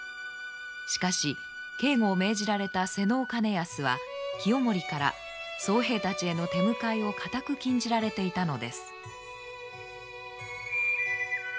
しかし警護を命じられた妹尾兼康は清盛から僧兵たちへの手向かいを固く禁じられていたのです。